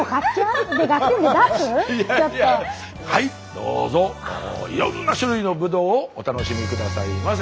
どうぞいろんな種類のブドウをお楽しみ下さいませ。